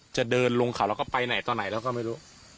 จะเดินลงเขาแล้วก็ไปไหนต่อไหนแล้วก็ไม่รู้